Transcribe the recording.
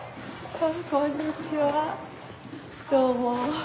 どうも。